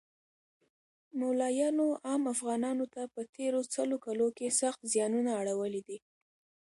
مولایانو عام افغانانو ته په تیرو سلو کلو کښی سخت ځیانونه اړولی دی